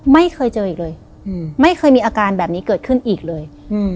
ไม่เคยเจออีกเลยไม่เคยมีอาการแบบนี้เกิดขึ้นอีกเลย